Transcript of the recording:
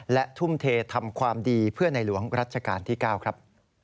และทุ่มเททำความดีเพื่อในหลวงรัชกาลที่๙ครับ